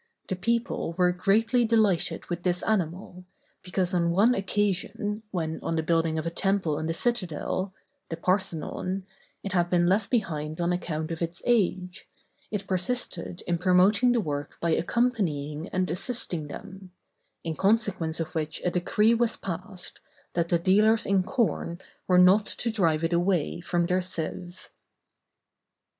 The people were greatly delighted with this animal, because on one occasion, when, on the building of a temple in the citadel (the Parthenon), it had been left behind on account of its age, it persisted in promoting the work by accompanying and assisting them; in consequence of which a decree was passed, that the dealers in corn were not to drive it away from their sieves.